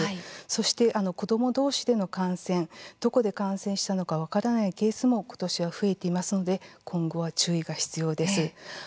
そして、子ども同士での感染どこで感染したのか分からないケースも今年は増えていますので今後は注意が必要です。